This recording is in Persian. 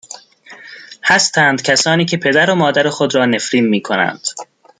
هستند کسانی که پدر و مادر خود را نفرین میکنند